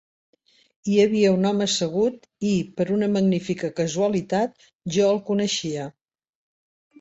Hi havia un home assegut i, per una magnífica casualitat, jo el coneixia.